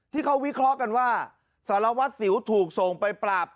ที่เขาวิเคราะห์กันว่าสารวัตรสิวถูกส่งไปปราบ